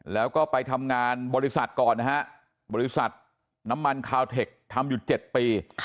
แล้วก็ไปทำงานบริษัทก่อนนะฮะบริษัทน้ำมันคาวเทคทำอยู่๗ปี